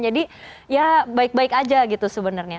jadi ya baik baik aja gitu sebenarnya